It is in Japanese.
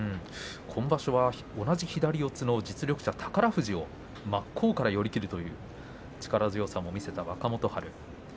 今場所は同じ左四つの実力者、宝富士を真っ向から寄り切るという力強さも見せた若元春。